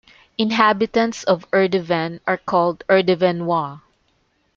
Inhabitants of Erdeven are called "Erdevenois".